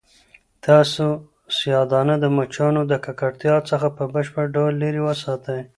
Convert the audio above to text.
تاسو سیاه دانه د مچانو او ککړتیا څخه په بشپړ ډول لیرې وساتئ.